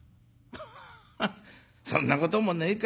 ハッそんなこともねえか。